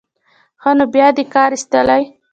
ښه نو بیا دې کار ایستلی.